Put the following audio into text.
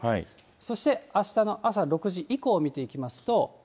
そしてあしたの朝６時以降を見ていきますと。